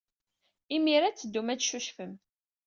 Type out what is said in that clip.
Imir-a ad teddum ad teccucfem.